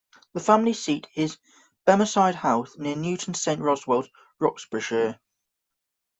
The family seat is Bemersyde House, near Newtown Saint Boswells, Roxburghshire.